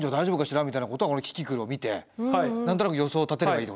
みたいなことはこの「キキクル」を見て何となく予想を立てればいいってことですか？